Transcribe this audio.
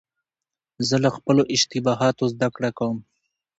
زه له خپلو اشتباهاتو زدهکړه کوم.